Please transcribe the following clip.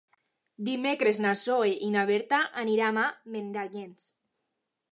Dimecres na Zoè i na Berta aniran a Menàrguens.